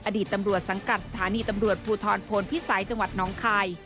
อดีตตำรวจสังกัดสถานีตำรวจภูทรพลพิสัยจังหวัดน้องคาย